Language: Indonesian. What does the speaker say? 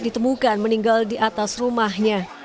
ditemukan meninggal di atas rumahnya